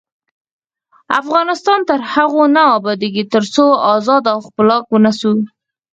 افغانستان تر هغو نه ابادیږي، ترڅو ازاد او خپلواک ونه اوسو.